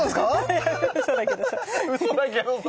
いやうそだけどさ。